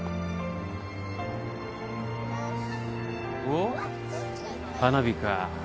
おっ花火か。